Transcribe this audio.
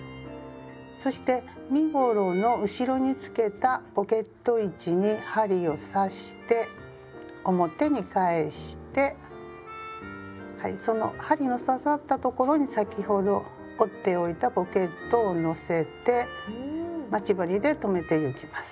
そして身ごろの後ろにつけたポケット位置に針を刺して表に返してはいその針の刺さった所に先ほど折っておいたポケットを載せて待ち針で留めてゆきます。